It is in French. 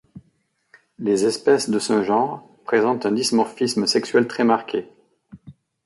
Les espèces de ce genre présentent un dimorphisme sexuel très marqué.